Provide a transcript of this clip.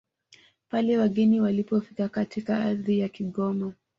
pale wageni walipofika katika ardhi ya Kigoma